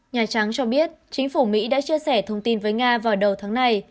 nhà trắng cho biết chính phủ mỹ đã chia sẻ thông tin với nga vào đầu tháng này